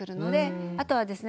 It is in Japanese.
あとはですね